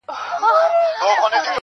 شعـر كي مي راپـاتـــه ائـيـنه نـه ده,